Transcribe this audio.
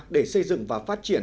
để xây dựng và phát triển